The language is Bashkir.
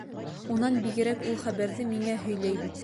Унан бигерәк, ул хәбәрҙе миңә һөйләй бит.